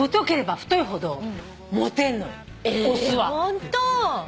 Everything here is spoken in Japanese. ホント！？